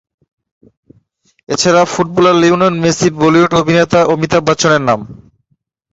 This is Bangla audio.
এছাড়া ফুটবলার লিওনেল মেসি বলিউড অভিনেতা অমিতাভ বচ্চনের নাম।